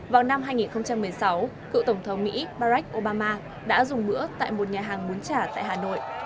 vào năm hai nghìn một mươi sáu cựu tổng thống mỹ barack obama đã dùng bữa tại một nhà hàng muốn trả tại hà nội